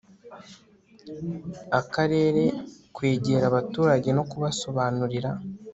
akarere kwegera abaturage no kubasobanurira